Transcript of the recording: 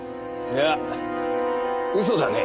いや嘘だね。